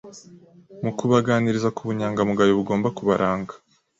nu kubaganiriza ku bunyangamugayo bugomba kubaranga,